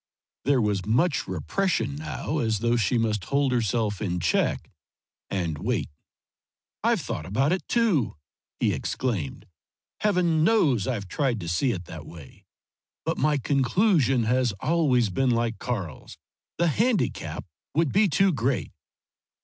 there was much repression now, as though she must hold herself in check, and wait. "I've thought about it too!" he exclaimed. "Heaven knows I've tried to see it that way. But my conclusion has always been like Karl's: the handicap would be too great."